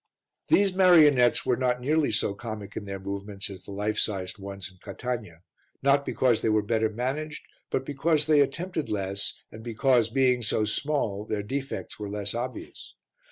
These marionettes were not nearly so comic in their movements as the life sized ones in Catania, not because they were better managed, but because they attempted less and because, being so small, their defects were less obvious.